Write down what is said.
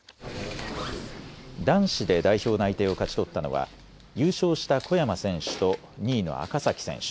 男子で代表内定を勝ち取ったのは優勝した小山選手と２位の赤崎選手。